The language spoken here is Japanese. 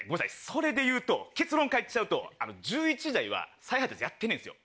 それで言うと結論から言っちゃうと１１時台は再配達やってねえんですよ。